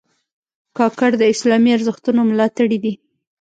کاکړ د اسلامي ارزښتونو ملاتړي دي.